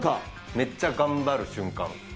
めっちゃ頑張る瞬間。